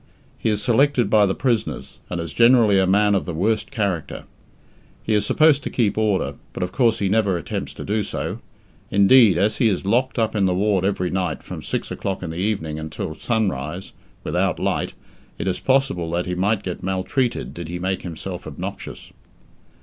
He is selected by the prisoners, and is generally a man of the worst character. He is supposed to keep order, but of course he never attempts to do so; indeed, as he is locked up in the ward every night from six o'clock in the evening until sunrise, without light, it is possible that he might get maltreated did he make himself obnoxious.